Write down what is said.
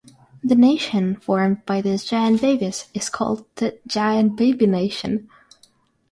The nation formed by these giant babies is called the "Giant Baby Nation".